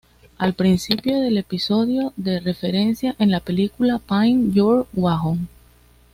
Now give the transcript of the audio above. Al principio del episodio, se referencia a la película "Paint Your Wagon".